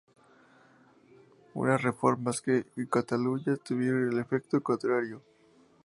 Unas reformas que, en Cataluña, tuvieron el efecto contrario.